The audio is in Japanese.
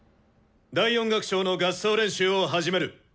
第４楽章の合奏練習を始める。